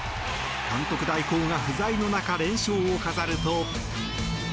監督代行が不在の中連勝を飾ると。